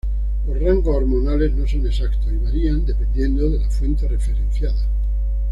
Los rangos hormonales no son exactos y varían dependiendo de la fuente referenciada.